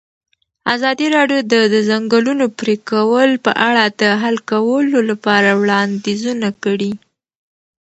ازادي راډیو د د ځنګلونو پرېکول په اړه د حل کولو لپاره وړاندیزونه کړي.